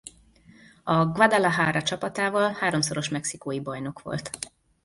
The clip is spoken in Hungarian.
A Guadalajara csapatával háromszoros mexikói bajnok volt.